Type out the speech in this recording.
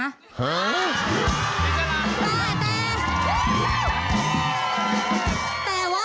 หือแต่ว่า